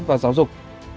và giáo dục